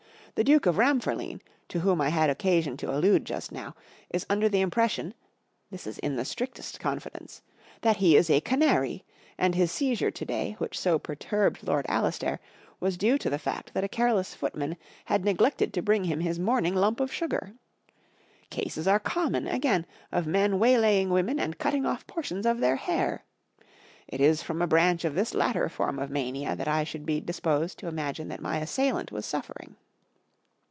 The Duke of Ramfurline, to whom I had occasion to allude just now, is under the impression—this is in the strictest confidence —that he is a canary ; and his seizure to day, which so perturbed Ix>rd Alastair, was due to the fact that a careless footman had neglected to bring him his morning lump of sugar. Cases are common, again, of men waylaying women and cutting off portions of their hair. It is from a branch, of this latter form of'mania that I should be dis¬ posed to imagine that my assailant was suffering.